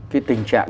cái tình trạng